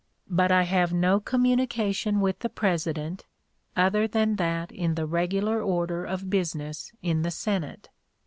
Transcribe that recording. But I have no communication with the President, other than that in the regular order of business in the Senate.